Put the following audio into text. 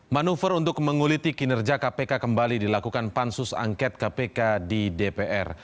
manuver untuk menguliti kinerja kpk kembali dilakukan pansus angket kpk di dpr